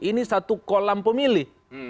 ini satu kolam pemilih